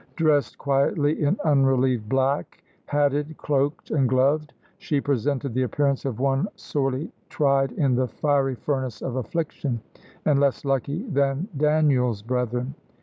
Dressed quietly in unrelieved black, hatted, cloaked, and gloved, she presented the appearance of one sorely tried in the fiery furnace of affliction, and less lucky than Daniel's brethren.